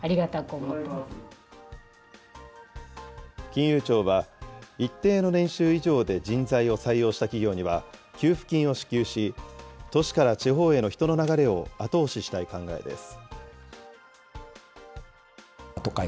金融庁は、一定の年収以上で人材を採用した企業には、給付金を支給し、都市から地方への人の流れを後押ししたい考えです。